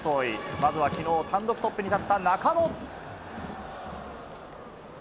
まずはきのう単独トップに立った中野。